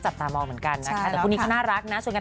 ใช่ค่ะ